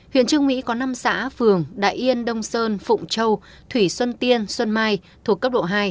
huyện trương mỹ có năm xã phường đại yên đông sơn phụng châu thủy xuân tiên xuân mai thuộc cấp độ hai